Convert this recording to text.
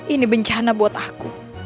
ini bencana buat aku